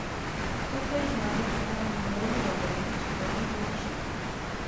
Jsou též známy pod názvem "Dolní labyrint" či "Dolní bludiště".